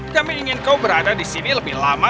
kami ingin kau berada di sini lebih lama